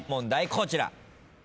こちら。